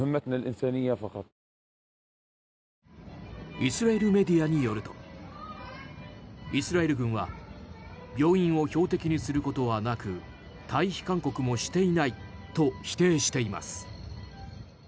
イスラエルメディアによるとイスラエル軍は病院を標的にすることはなく退避勧告もしていないと否定しています。